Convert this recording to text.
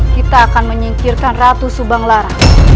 kita akan menyingkirkan ratu subang lara